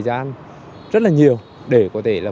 gian rất là nhiều để có thể là